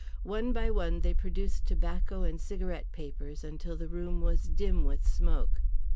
One by one they produced tobacco and cigarette papers until the room was dim with smoke.